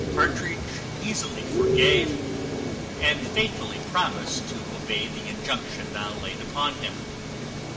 Partridge easily forgave, and faithfully promised to obey the injunction now laid upon him.